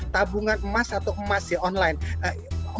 tabungan emas atau emas ya online